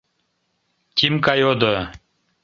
— Тимка йодо.